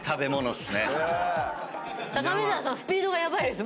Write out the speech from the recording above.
⁉高見沢さんスピードがヤバいです。